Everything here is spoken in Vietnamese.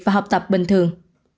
trong tập bình thường